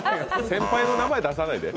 先輩の名前出さないで。